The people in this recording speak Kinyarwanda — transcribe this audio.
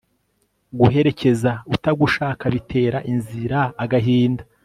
guherekeza utagushaka bitera inzira agahinda